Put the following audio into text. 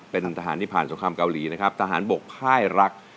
เป็นทหารที่ผ่านสงครามเกาหลีนะครับทหารบกพ่ายรัก